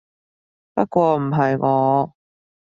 不過唔係我